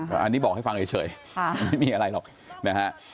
อืมอันนี้บอกให้ฟังเฉยเฉยค่ะไม่มีอะไรหรอกนะฮะ